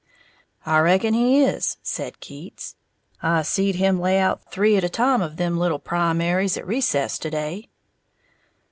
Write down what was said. '"] "I reckon he is," said Keats, "I seed him lay out three at a time of them little primaries at recess to day."